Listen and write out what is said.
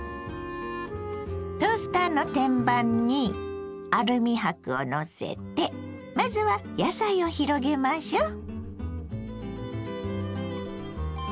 トースターの天板にアルミ箔をのせてまずは野菜を広げましょう。